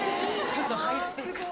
・ちょっとハイスペック。